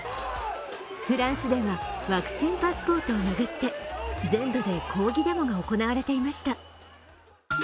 フランスではワクチンパスポートを巡って全土で抗議デモが行われていました。